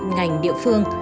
ngành địa phương